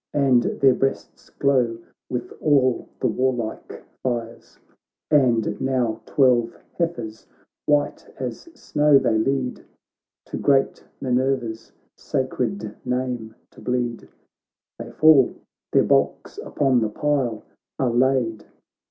And their breasts glow with all the war like fires : And now twelve heifers white as snow they lead To great Minerva's sacred nameto bleed; They fall— their bulks upon the pile are laid.